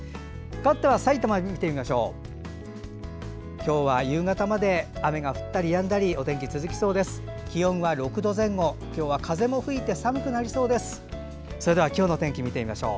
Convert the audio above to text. かわってはさいたま見てみましょう。